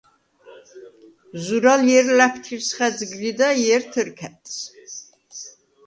ზურალ ჲერ ლა̈ფთირს ხა̈ძგრიდა, ჲერ თჷრკა̈ტს.